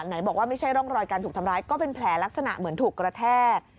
ไหนบอกว่าไม่ใช่ร่องรอยการถูกทำร้ายก็เป็นแผลลักษณะเหมือนถูกกระแทก